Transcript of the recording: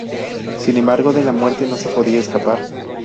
Sin embargo, de la muerte no podía escapar.